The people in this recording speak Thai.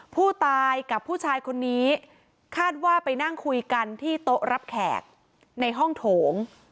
ผู้ตายกับผู้ชายคนนี้คาดว่าไปนั่งคุยกันที่โต๊ะรับแขกในห้องโถง